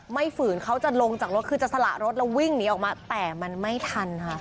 ฝืนเขาจะลงจากรถคือจะสละรถแล้ววิ่งหนีออกมาแต่มันไม่ทันค่ะ